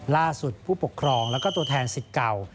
ล่าสุดผู้ปกครองและตัวแทนศิษย์เก่า